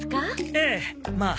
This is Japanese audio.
ええまあ。